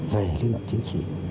về lý mệnh chính trị